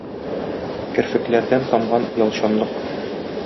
Керфекләрдән тамган оялчанлык